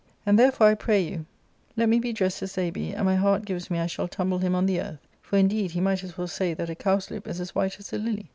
And therefore 1 pray you let me be drest as they be, and my heart gives me I shall tumble him on the earth ; for, indeed, he might as well say that a cowslip is as white as a lily.